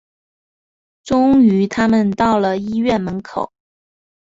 终于他们到了医院门口